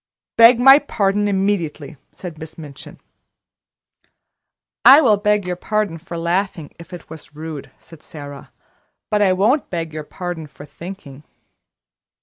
"Beg my pardon immediately," said Miss Minchin. "I will beg your pardon for laughing, if it was rude," said Sara; "but I won't beg your pardon for thinking."